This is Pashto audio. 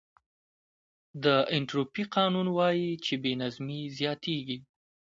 د انټروپي قانون وایي چې بې نظمي زیاتېږي.